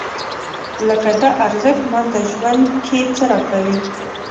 لکه دا ارزښت ماته ژوند کې څه راکوي؟